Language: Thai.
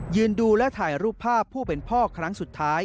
ดูและถ่ายรูปภาพผู้เป็นพ่อครั้งสุดท้าย